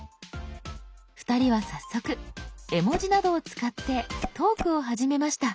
２人は早速絵文字などを使ってトークを始めました。